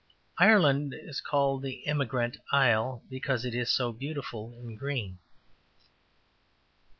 ``Ireland is called the Emigrant Isle because it is so beautiful and green.''